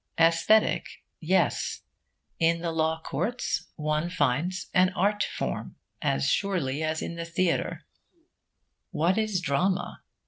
Aesthetic, yes. In the law courts one finds an art form, as surely as in the theatre. What is drama?